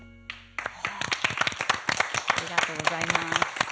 ありがとうございます。